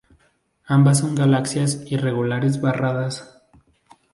Ambas son galaxias irregulares barradas.